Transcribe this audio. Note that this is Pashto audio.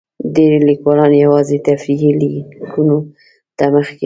ډېری لیکوالان یوازې تفریحي لیکنو ته مخه کوي.